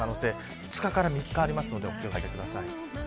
２日から３日ありますのでお気をつけください。